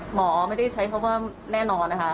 หมอไม่ได้ใช้คำว่าแน่นอนนะคะ